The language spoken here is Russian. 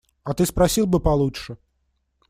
А ты спросил бы получше.